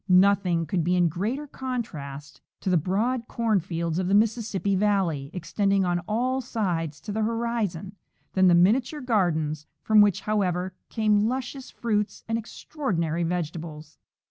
Nothing could be in greater contrast to the broad corn fields of the Mississippi valley, extending oh all sides to the horizon, than the miniature gardens, from which, however, come luscious fruits and extraordinary vegetables.